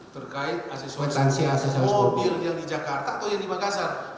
terkait aksesoris mobil yang di jakarta atau yang di makassar